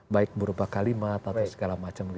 baik berupa kalimat atau segala macam